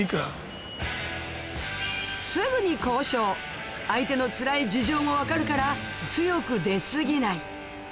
すぐに交渉相手のつらい事情も分かるから強く出過ぎない